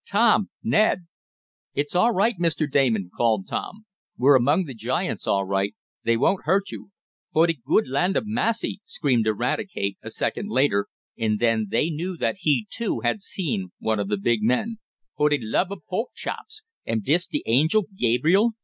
Tom! Ned!" "It's all right, Mr. Damon!" called Tom. "We're among the giants all right. They won't hurt you." "Fo' de good land ob massy!" screamed Eradicate, a second later, and then they knew that he, too, had seen one of the big men. "Fo' de lub ob pork chops! Am dis de Angel Gabriel?